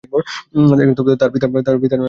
তার পিতার নাম আলী আকবর।